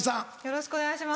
よろしくお願いします。